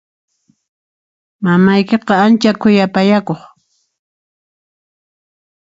Mamaykiqa ancha khuyapayakuq.